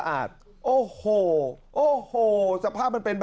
อาทิตย์๒๕อาทิตย์